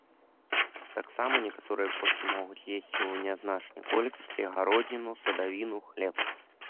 Таксама некаторыя кошкі могуць есці ў нязначнай колькасці гародніну, садавіну, хлеб.